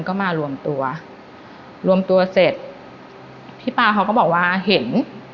ก็มารวมตัวรวมตัวเสร็จพี่ป๊าเขาก็บอกว่าเห็น